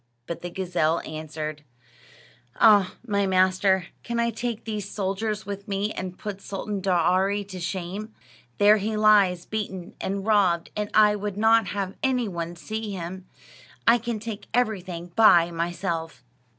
But the gazelle answered: "Ah, my master, can I take these soldiers with me and put Sultan Daaraaee to shame? There he lies, beaten and robbed, and I would not have any one see him. I can take everything by myself."